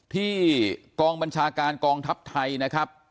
ที่กองบัญชาการกองทัพไทยนะครับ